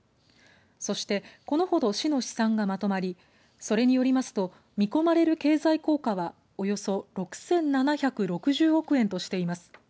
そして、このほど市の試算がまとまりそれによりますと見込まれる経済効果はおよそ６７６０億円としています。